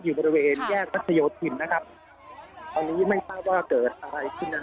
ตอนนี้ไม่ที่รู้ว่าเกิดอะไรขึ้นนะคะ